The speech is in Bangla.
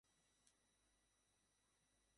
মনে হয় না ম্যামথদের ধরতে পারব, একজনকে হয়তো পারব।